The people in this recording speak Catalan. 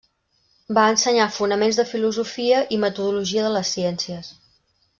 Va ensenyar Fonaments de Filosofia i Metodologia de les ciències.